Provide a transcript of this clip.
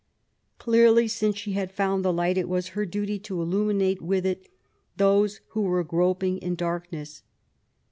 Clearly, since she had found the light, it was her duty to illuminate with it those who were groping in dark ness.